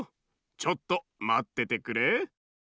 ちょっとまっててくれ。